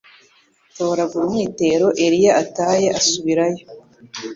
atoragura umwitero eliya ataye asubirayo